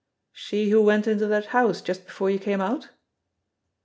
"She who went into that house just before you came out?"